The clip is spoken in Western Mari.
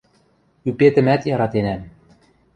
— Ӱпетӹмӓт яратенӓм...